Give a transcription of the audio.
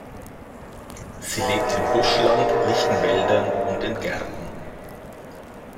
Sie lebt im Buschland, lichten Wäldern und in Gärten.